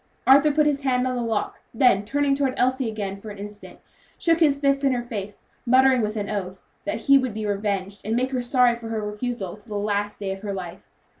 Arthur put his hand on the lock; then, turning toward Elsie again, for an instant, shook his fist in her face, muttering, with an oath, that he would be revenged, and make her sorry for her refusal to the last day of her life.